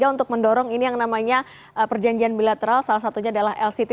untuk mendorong ini yang namanya perjanjian bilateral salah satunya adalah lct